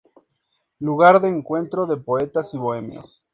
lugar de encuentro de poetas y bohemios